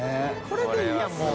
これでいいやんもう。